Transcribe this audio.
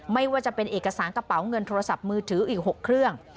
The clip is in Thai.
ไม่ว่าจะเป็นเอกสารกระเป๋าเงินโทรศัพท์มือถืออีก๖เครื่อง